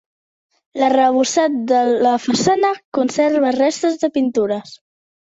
L'arrebossat de la façana conserva restes de pintures.